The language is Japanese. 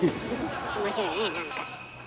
面白いねなんか。